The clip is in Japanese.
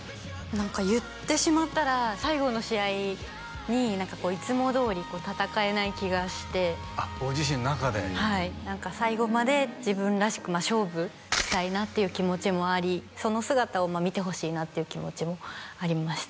何か言ってしまったら最後の試合に何かこういつもどおり戦えない気がしてあっご自身の中ではい何か最後まで自分らしく勝負したいなっていう気持ちもありその姿を見てほしいなっていう気持ちもありました